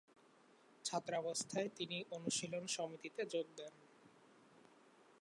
ছাত্রাবস্থায় তিনি অনুশীলন সমিতিতে যোগ দেন।